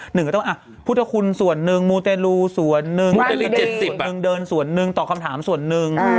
หนึ่งก็ต้องพุทธคุณส่วนหนึ่งมูเตรลูส่วนหนึ่งมูเตรลู๗๐นึงเดินส่วนหนึ่งตอบคำถามส่วนหนึ่ง